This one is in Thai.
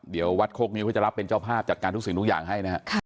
เดี๋ยววัดโคกนิ้วเขาจะรับเป็นเจ้าภาพจัดการทุกสิ่งทุกอย่างให้นะฮะ